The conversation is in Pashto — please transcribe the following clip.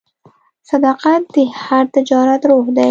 صداقت د هر تجارت روح دی.